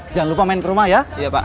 jangan lupa main ke rumah ya pak